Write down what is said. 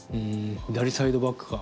左サイドバックか。